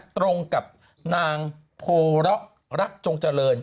ตรงกับนางโพร็อกรักจงเจริญ